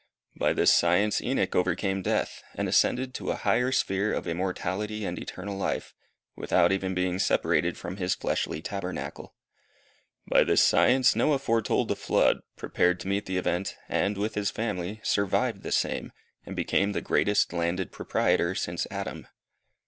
By this science Enoch overcame death, and ascended to a higher sphere of immortality and eternal life, without even being separated from his fleshly tabernacle. By this science Noah foretold the flood, prepared to meet the event, and, with his family, survived the same, and became the greatest landed proprietor since Adam.